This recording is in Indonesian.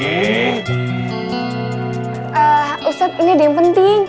ustadz ini ada yang penting